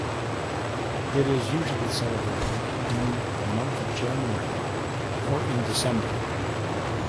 It is usually celebrated in the month of January or in December.